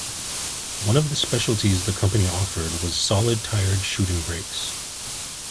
One of the specialities the company offered was solid-tired shooting-brakes.